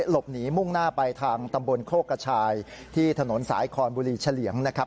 หลบหนีมุ่งหน้าไปทางตำบลโคกกระชายที่ถนนสายคอนบุรีเฉลี่ยงนะครับ